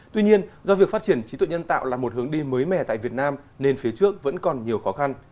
tuy nhiên do việc phát triển trí tuệ nhân tạo là một hướng đi mới mẻ tại việt nam nên phía trước vẫn còn nhiều khó khăn